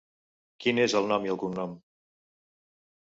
Quin és el nom i cognom?